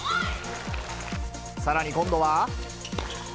さらに今度は。